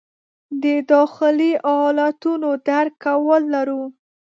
د داخلي حالتونو درک کول لرو.